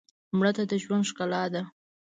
مړه ته د ژوند ښکلا ده